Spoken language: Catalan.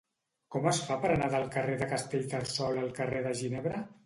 Com es fa per anar del carrer de Castellterçol al carrer de Ginebra?